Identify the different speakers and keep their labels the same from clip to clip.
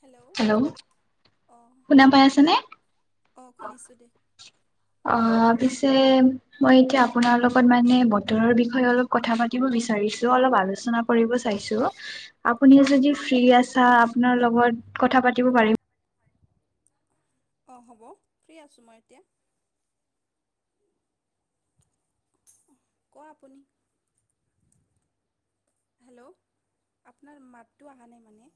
Speaker 1: Hello! অঁ
Speaker 2: শুনা পাই আছেনে?
Speaker 1: অঁ শুনিছো দেই।
Speaker 2: অ' পিছে মই এতিয়া আপোনাৰ লগত মানে বতৰৰ বিষয়ে অলপ কথা পাতিব বিচাৰিছো অলপ আলোচনা কৰিব চাইছো। আপুনি
Speaker 1: অঁ
Speaker 2: যদি
Speaker 1: হ'ব
Speaker 2: ফ্ৰি আছা আপোনাৰ লগত কথা পাতিব পাৰিম?
Speaker 1: অঁ হ'ব ফ্ৰী আছোঁ মই এতিয়া। কোৱা আপুনি? হেল্ল'! আপোনাৰ মাতটো অহা নাই মানে।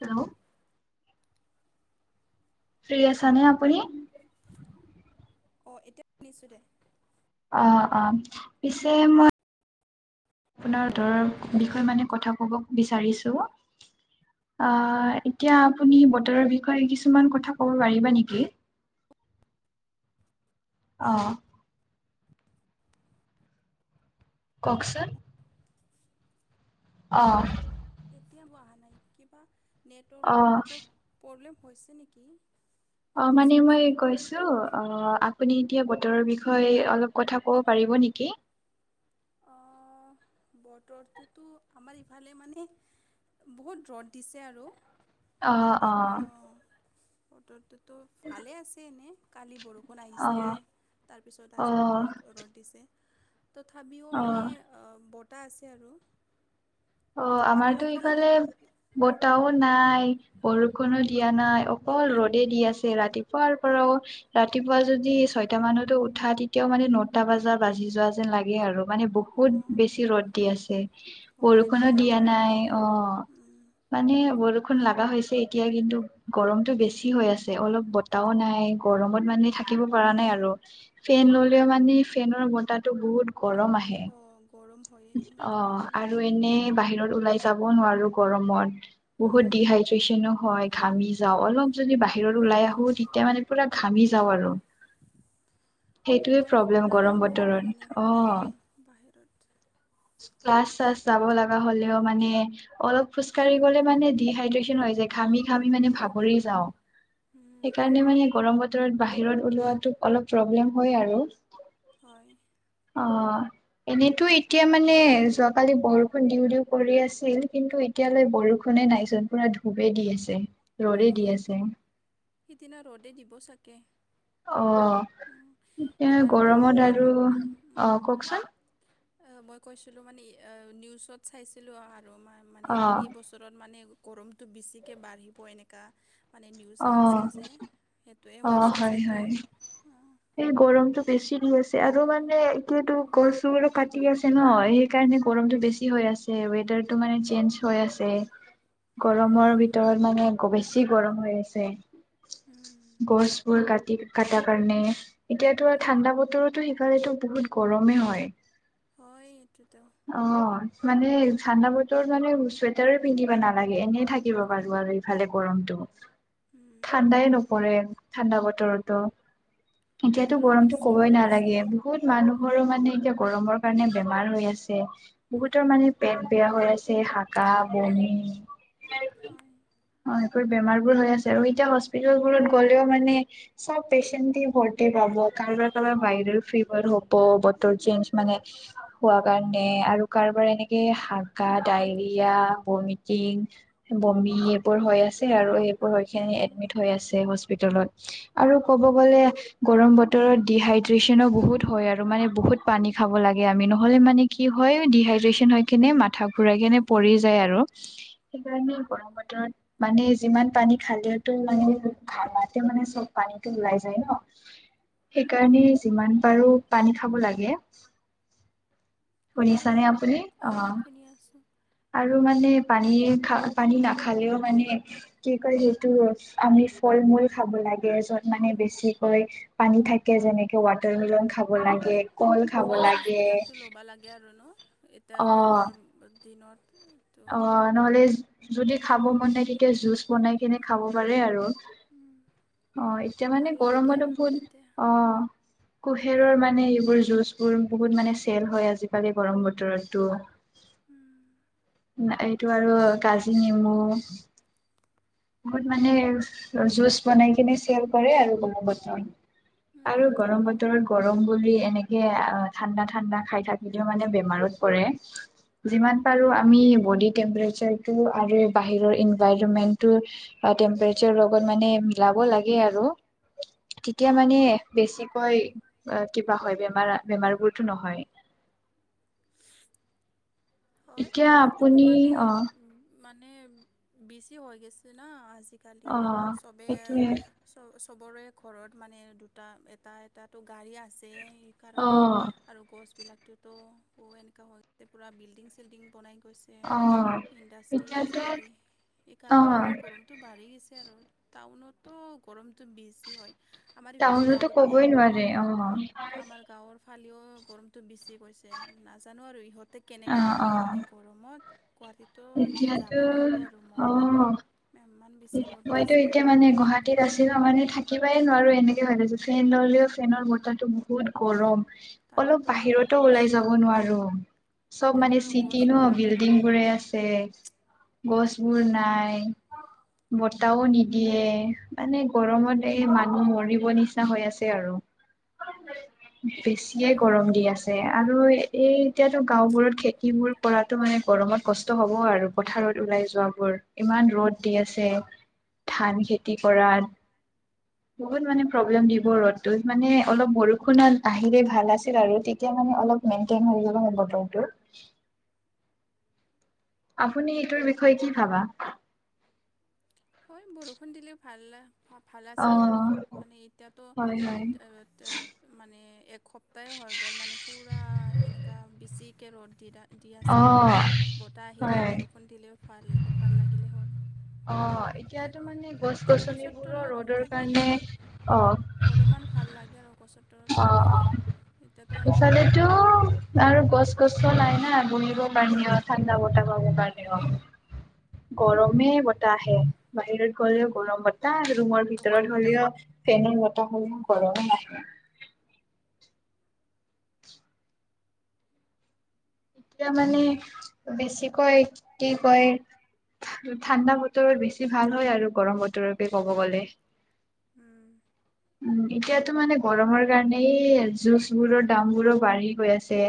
Speaker 2: হেল্ল'! ফ্ৰি আছা নে আপুনি?
Speaker 1: অ এতিয়া শুনিছো দে।
Speaker 2: অ অ, পিছে মই আপোনাৰ ধৰ বিষয়ে মানে কথা ক'ব বিচাৰিছো। আ এতিয়া আপুনি বতৰৰ বিষয়ে কিছুমান কথা ক'ব পাৰিবা নেকি? অঁ। কওক চোন? অঁ।
Speaker 1: এতিয়াও আহা নাই কিবা
Speaker 2: অ'
Speaker 1: নেটৱৰ্কৰ প্ৰব্লেম হৈছে নেকি?
Speaker 2: অঁ
Speaker 1: আপুনি
Speaker 2: মানে
Speaker 1: চাওকচোন
Speaker 2: মই
Speaker 1: অলপমান
Speaker 2: কৈছো অ আপুনি এতিয়া বতৰৰ বিষয়ে অলপ কথা ক'ব পাৰিব নেকি?
Speaker 1: অ' বতৰটোতো আমাৰ ইফালে মানে বহুত ৰ'দ দিছে আৰু। অ এক অঁ বতৰটোতো ভালে আছে এনে কালি বৰ ষুণ
Speaker 2: অ
Speaker 1: আহিছিলে তাৰপিছত,
Speaker 2: অ
Speaker 1: আজি বহুত ৰ'দ দিছে। তথাপিও
Speaker 2: অ
Speaker 1: মানে বতাহ আছে আৰু।
Speaker 2: অহ আমাৰতো
Speaker 1: আপোনাৰ ফালে
Speaker 2: ইফালে বতাহো নাই। বৰষুণো দিয়া নাই অকল ৰ'দে দি আছে। ৰাতিপুৱাৰ পৰাও ৰাতিপুৱা যদি ছয়টা মানতো উঠা তেতিয়াও মানে নটা বজাত বাজি যোৱা যেন লাগে আৰু। মানে বহুত
Speaker 1: অঁ
Speaker 2: বেছি ৰ'দ দি আছে,
Speaker 1: হয়
Speaker 2: বৰষুণো
Speaker 1: এনেকাই
Speaker 2: দিয়া
Speaker 1: হয় মানে
Speaker 2: নাই অঁ।
Speaker 1: উম,
Speaker 2: মানে বৰষুণ লগা হৈছে এতিয়া কিন্তু গৰমটো বেছি হৈ আছে অলপ বতাহো নাই গৰমত মানে থাকিব পৰা নাই আৰু। ফেন
Speaker 1: উম।
Speaker 2: ল'লেও মানে ফেনৰ বতাহটো বহুত গৰম আ হে,
Speaker 1: অঁ গৰম হয়েই সেইটো
Speaker 2: অঁ
Speaker 1: মানে
Speaker 2: আ ৰু এনে বাহিৰত ওলাই যাব নোৱাৰো গৰত বহুত
Speaker 1: অঁ
Speaker 2: দিহাই ড্ৰেচনো হয় ঘামি যাওঁ, অলপ যদি বাহিৰত ওলাই আহো তেতিয়া মানে পুৰা ঘামি যাওঁ আৰু। সেইটোয়ে
Speaker 1: হয়
Speaker 2: প্ৰব্লেম
Speaker 1: ওলাবই
Speaker 2: গৰম
Speaker 1: নোৱাৰোঁ মানে
Speaker 2: বতৰত। অঁ।
Speaker 1: উম, বাহিৰত
Speaker 2: ক্লাছ চাছ যাব লগা হলেও মানে অলপ খোজকাঢ়ি গলে মানে ডিহাইড্ৰেচন হৈ যায় ঘামি ঘামি মানে ভাৱৰি যাওঁ।
Speaker 1: উম,
Speaker 2: সেইকাৰণে
Speaker 1: হয়
Speaker 2: মানে গৰম বতৰত বাহিৰত ওলোৱাটো অলপ প্ৰব্লেম হয় আৰু।
Speaker 1: হয়।
Speaker 2: অঁ। এনেতো এতিয়া মানে যোৱাকালি বৰষুণ দিওঁ দিও কৰি আছিল। কিন্তু এতিয়ালৈ বৰষুণে নাইচোন পুৰা ধূপে দি আছে, ৰদে দি
Speaker 1: অঁ
Speaker 2: আছে।
Speaker 1: সিদিনা ৰ'দে দিব চাগে।
Speaker 2: অঁ'
Speaker 1: উম,
Speaker 2: এতিয়া
Speaker 1: এইবাৰতো
Speaker 2: গৰমত
Speaker 1: মান
Speaker 2: আৰু অঁ' কওঁকচোন?
Speaker 1: অঁ' মই কৈছিলো মানে নিউজত চাইছিলো আৰু মা-মানে
Speaker 2: অ
Speaker 1: এই ব বছৰত মানে গৰমটো বেছিকৈ বাঢ়িব এনেকুৱা। মানে নিউজ
Speaker 2: অ
Speaker 1: আহিছিল যে সেইটোৱে হৈছে চাগে। অঁ,
Speaker 2: সেই গৰমতটো বেছি দি আছে আৰু মানে এতিয়াতো গছোবোৰো কাটি আছে ন' সেই সেইকাৰণে গৰমটো বেছি হৈ আছে, ৱেডাৰ টো মানে চেঞ্জ হৈ আছে।
Speaker 1: হয়
Speaker 2: গৰমৰ ভিতৰত মানে বেছি গৰম হৈ আছে।
Speaker 1: উমঁ'।
Speaker 2: গছ বোৰ কাটি কটা কাৰণে। এতিয়াতো আৰু ঠাণ্ডা বতৰতো সিফালেটো বহুত গৰমেই হয়।
Speaker 1: হয় এইটোতো।
Speaker 2: অঁ' মানে ঠাণ্ডা বতৰ মানে ছুৱেটাৰো পিন্ধিবা নালাগে এনেই থাকিব পাৰো আৰু। ফালে গৰমটো।
Speaker 1: উম,
Speaker 2: ঠাণ্ডাই নপৰে, ঠাণ্ডা বতৰতো। এতিয়াতো
Speaker 1: গৰম
Speaker 2: গৰমতো
Speaker 1: বেছি হৈ
Speaker 2: ক'বই
Speaker 1: গৈছে
Speaker 2: নালাগে। বহুত মানুহৰো মানে এতিয়া গৰমৰ কাৰণে বেমাৰ হৈ আছে। বহুতৰ মানে পেট বেয়া হৈ আছে, হা কাঁহ, বমি,
Speaker 1: হয়
Speaker 2: অ' এইবোৰ বেমাৰ বোৰ হৈ আছে। আৰু এতিয়া হস্পিতেল বোৰত গ'লেও মানে চ'ব পেচেণ্ট দে ভৰ্তি পাব। কাৰোবাৰ কাৰোবাৰ ভাইৰল ফিভাৰ হ'ব, বতৰ ছেঞ্চ মানে হোৱা কাৰণে আৰু কাৰোবাৰ এনেকে হাগা, ডায়ৰিয়া, ভমিটিং বমি এইবোৰ হৈ আছে আৰু সেইবোৰ হৈ খিনি
Speaker 1: উম,
Speaker 2: এডমিট হৈ আছে হস্পিতালত। আৰু ক'ব গ'লে গৰম বতৰত ডিহাইড্ৰেচনো বহুত হয় আৰু মানে বহুত পানী খাব লাগে আমি নহ'লে মানে কি হয় ডিহাইড্ৰেচন হৈ কেনে মাথা ঘূৰাই কেনে পৰি যায় আৰু। সেইকাৰণে পৰা বতৰত মানে যিমান পানী খালেটো মানে খানাতে মানে চ'ব পানীটো ওলাই যায় ন'।
Speaker 1: উম,
Speaker 2: সেইকাৰণে যিমান পাৰোঁ পানী খাব লাগে। শুনিছা
Speaker 1: হয়
Speaker 2: নে আপুনি, অঁ'।
Speaker 1: শুনি আছোঁ
Speaker 2: আৰু মানে পানী খা পানী নাখালেও মানে কি কয় সেইটো আমি ফল-মূল খাব লাগে য'ত মানে
Speaker 1: উম,
Speaker 2: বেছিকৈ পানী থাকে যেনেকে ৱাটাৰ মিলন খাব
Speaker 1: অঁ
Speaker 2: লাগে। কল খাব
Speaker 1: ফ্ৰুট জুচ
Speaker 2: লাগে
Speaker 1: বিলাকতো ল'বা লাগে আৰু ন' এতিয়া
Speaker 2: অ
Speaker 1: গৰমৰ দিনত।
Speaker 2: অ' নহ'লে যদি খাব মন নাই তেতিয়া জুচ বনাই কিনে খাব পাৰে আৰু। অ' এতিয়া মানে
Speaker 1: ভাল লাগে
Speaker 2: গৰমৰে
Speaker 1: আৰু
Speaker 2: [unintelligible]
Speaker 1: তেতিয়া
Speaker 2: অ'। কুহেৰৰ মানে এইবোৰ জুচবোৰ বহুত মানে চেল হয় আজিকালি গৰম বতৰতো।
Speaker 1: উম।
Speaker 2: এইটো আৰু কাজি নেমু। বহুত মানে জুচ বনাই কিনে চেল কৰে আৰু গৰম বতৰত। আৰু
Speaker 1: হ্যাঁ
Speaker 2: গৰম বতৰত গৰম বুলি এনেকে আহ' ঠাণ্ডা ঠাণ্ডা খাই থাক যদিও মানে বেমাৰত পৰে। যিমান পাৰো আমি বডি টেম্পাৰেচাৰটো আৰু বাহিৰৰ এনভাইৰনমেন্ট [unintelligible] টেম্পচাৰ লগত মিলাব লাগে আৰু। তেতিয়া মানে বেছিকৈ কিবা হয় বেমাৰ বেমাৰ বোৰতো নহয়।
Speaker 1: হয়
Speaker 2: এতিয়া
Speaker 1: গৰমটো
Speaker 2: আপুনি
Speaker 1: মানে
Speaker 2: অ'
Speaker 1: মানে বেছি হৈ গৈছে না আজি কালি
Speaker 2: অ'
Speaker 1: চবেই
Speaker 2: সেইটোৱে
Speaker 1: চ- চবৰে ঘৰত মানে দুটা এটা এটাতো গাড়ী আছেই সেইকাৰণে
Speaker 2: অ'
Speaker 1: আৰু গছ বিলাকতোতো ব এনেককা হৈছে পুৰা বিল্ডিং চিল্ডিং বনাই গৈছে।
Speaker 2: অ'
Speaker 1: [unintelligible] ইণ্ডাষ্ট্ৰ্ৰী
Speaker 2: এতিয়াতো
Speaker 1: আজিকালি এইকাৰণেই মানে
Speaker 2: অ'
Speaker 1: গৰম [unintelligible] বাঢ়ি গৈছে আৰু টাউনতো গৰমটো বেছি হয়। আমাৰ ইফালে
Speaker 2: টাউনতো
Speaker 1: গাঁৱতো
Speaker 2: ক'বই নোৱাৰে
Speaker 1: অ' আমাৰ গাঁৱৰ ফালেও গৰমটো বেছি গৈছে নাজানো আৰু ইহঁতে কেনেকা
Speaker 2: অ' অ'
Speaker 1: গৰমত গুৱাহাটীতো এতিয়া যাব
Speaker 2: এতিয়াতো
Speaker 1: নোৱাৰোঁ আৰু মই।
Speaker 2: অ'
Speaker 1: ইমান বেছি ৰ'দ
Speaker 2: মইতো
Speaker 1: দিছে।
Speaker 2: এতিয়া [unintelligible] মানে থাকিবাই নোৱাৰো এনেকে ভাল আছো ফেন ল'লেও ফেনৰ বতাহটো বহুত বহুত গৰম অলপ
Speaker 1: তাতেতো আৰু
Speaker 2: বাহিৰতো
Speaker 1: গছ
Speaker 2: ওলাই যাব নোৱাৰোঁ। চব
Speaker 1: তাতেতো
Speaker 2: মানে
Speaker 1: আৰু
Speaker 2: চিটি ন'
Speaker 1: গছবিলাকো নাই
Speaker 2: বিল্ডিং বোৰে আছে, গছবোৰ নাই। বতাহও নিদিয়ে মানে গৰমতে মানুহ মৰিব নিচিনা হৈ আছে আৰু। বেছিয়ে গৰম দি আছে। আৰু এই এতিয়াতো গাঁওবোৰত খেতিবোৰ কৰাতো মানে গৰমত কষ্ট হ'ব আৰু পথাৰত ওলাই যোৱা [unintelligible] ইমান ৰ'দ দি আছে ধান খেতি কৰাত। বহুত মানে প্ৰব্লেম দিব ৰ'দতটোত মানে অলপ বৰষুণত আহিলে ভাল আছিল আৰু এতিয়া মানে অলপ মেইনটেইন হৈ যাব সেই বতৰটো। আপুনি এইটোৰ বিষয়ে, কি ভাবা?।
Speaker 1: হয়, বৰষুণ দিলে ভালা। ভ-ভাল আছিল আৰু,
Speaker 2: অ',
Speaker 1: মানে এতিয়াতো
Speaker 2: হয় হয়।
Speaker 1: ত মানে, এসপ্তাহ হৈ গ'ল মানে পূৰা, এনেকুৱা বেছিকৈ ৰ'দ দিডা দি আছে আৰু,
Speaker 2: অ',
Speaker 1: বতাহ আহিলে,
Speaker 2: হয়।
Speaker 1: বৰষুণ দিলেও ভাল-ভাল, লাগিলে হ'ল।
Speaker 2: অ', এতিয়াতো
Speaker 1: আৰু
Speaker 2: মানে, গছ
Speaker 1: গছৰ
Speaker 2: গছনিবোৰৰ
Speaker 1: তলত
Speaker 2: ৰ'দৰ
Speaker 1: থাকিলে
Speaker 2: কাৰণে, অ',
Speaker 1: অলপমান ভাল লাগে আৰু, গছৰ তলত
Speaker 2: অ অ
Speaker 1: থাকিলে। এতিয়াতো আৰু
Speaker 2: ইফালেতো
Speaker 1: ঘৰত
Speaker 2: আৰু গছ-গছটো নাই না, বহিব কাৰণেও, ঠাণ্ডা বতাহ কাৰণেও। গৰমে, বতাহে, বাহিৰত গ'লে গৰম বতাহ বতাহ ৰুমৰ ভিতৰত হ'লেও, ফেনৰ বতাহ হ'লেও, গৰমো নাহে। এতিয়া মানে বেছিকৈ কি কয় ঠা ঠাণ্ডা বতৰত বেছি ভাল হয় আৰু গৰম বতৰকে ক'ব গ'লে।
Speaker 1: উম।
Speaker 2: [unintelligible] উম, এতিয়াতো মানে গৰমৰ কাৰণেই জুচ বোৰৰ দাম বোৰো বাঢ়ি গৈ আছে।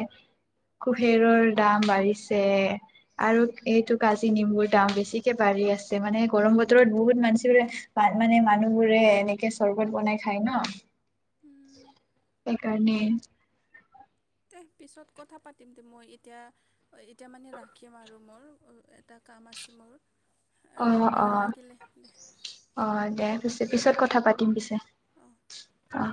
Speaker 2: ফেৰৰ দাম বাঢ়িছে। আৰু এইটো কাজি নেমুৰ মু দাম বেছিকে বাঢ়ি আছে মানে গৰম বতৰত বহুত [unintelligible] মানে মানুহবোৰে এনেকে চৰবত বনাই খায় ন'।
Speaker 1: উম।
Speaker 2: সেইকাৰণে
Speaker 1: দে পিছত কথা পাতিম দে, মই এতিয়া এতিয়া মানে ৰাখিম আৰু মোৰ, এটা কাম আছে মোৰ। আহ,
Speaker 2: অঁহ', -
Speaker 1: ভাল
Speaker 2: অঁহ,
Speaker 1: লাগিলে দে
Speaker 2: - অঁহ, - দে পিছে, পিছত কথা পাতিম পিছে।
Speaker 1: অঁ
Speaker 2: অহ।